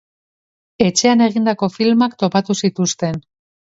Etxean egindako filmak topatu zituzten.